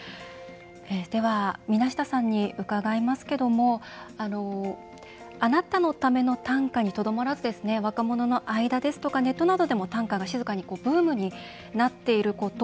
では水無田さんに伺いますけれども「あなたのための短歌」にとどまらず若者の間ですとかネットなどでも短歌が静かにブームになっていること。